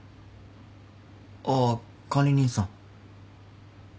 ああ管理人さん。